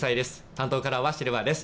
担当カラーはシルバーです。